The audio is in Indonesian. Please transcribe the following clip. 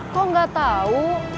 kok gak tau